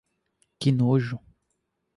Que nojo...